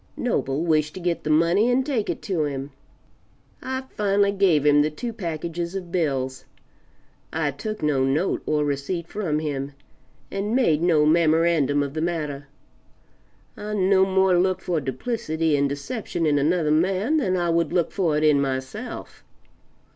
Noble wished to get the money and take it to him. I finally gave him the two packages of bills; I took no note or receipt from him, and made no memorandum of the matter. I no more look for duplicity and deception in another man than I would look for it in myself.